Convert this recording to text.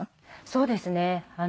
そうですね。